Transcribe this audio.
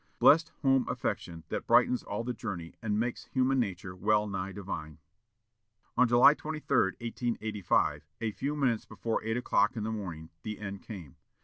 Blessed home affection, that brightens all the journey, and makes human nature well nigh divine! On July 23, 1885, a few minutes before eight o'clock in the morning, the end came.